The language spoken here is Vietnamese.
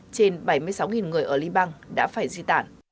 trên bảy mươi sáu người ở liban đã phải di tản